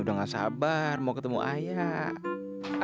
udah gak sabar mau ketemu ayah